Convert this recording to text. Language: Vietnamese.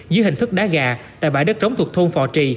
dưới hình thức đá gà tại bãi đất trống thuộc thôn phò trì